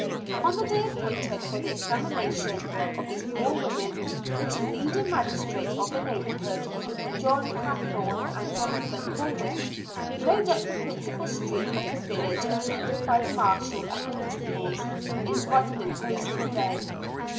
On the day appointed for the examination of these poor women, the two leading magistrates of the neighborhood, John Hathorne and Jonathan Corwin, rode up the principal street of the village attended by the marshal and constables, in quite an imposing array.